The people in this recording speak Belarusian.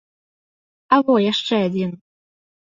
А во, яшчэ адзін.